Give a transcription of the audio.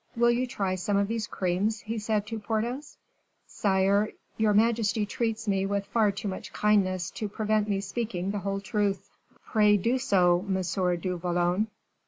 "Will you try some of these creams?" he said to Porthos. "Sire, you majesty treats me with far too much kindness to prevent me speaking the whole truth." "Pray do so, M. du Vallon."